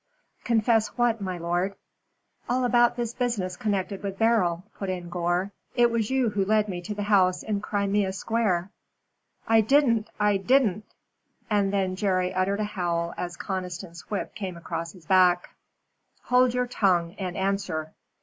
"Confess what, my lord?" "All about this business connected with Beryl," put in Gore. "It was you who led me to the house in Crimea Square." "I didn't I didn't!" And then Jerry uttered a howl as Conniston's whip came across his back. "Hold your tongue and answer."